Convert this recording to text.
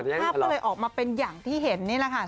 ภาพก็เลยออกมาเป็นอย่างที่เห็นนี่แหละค่ะ